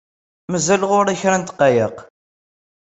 Mazal ɣur-i kra n ddqayeq.